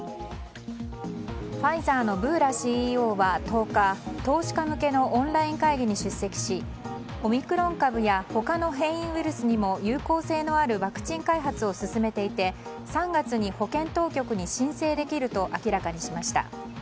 ファイザーのブーラＣＥＯは１０日投資家向けのオンライン会議に出席しオミクロン株や他の変異ウイルスにも有効性のあるワクチン開発を進めていて３月に保健当局に申請できると明らかにしました。